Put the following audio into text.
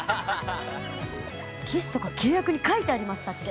キスとか契約に書いてありましたっけ？